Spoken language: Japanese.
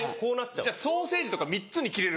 じゃあソーセージとか３つに切れる。